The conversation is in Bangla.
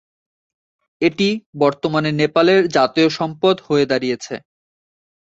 এটি বর্তমানে নেপালের জাতীয় সম্পদ হয়ে দাঁড়িয়েছে।